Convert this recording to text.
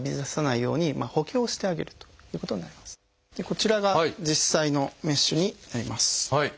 こちらが実際のメッシュになります。